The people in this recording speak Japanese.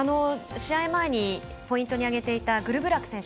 試合前にポイントにあげていたグルブラク選手。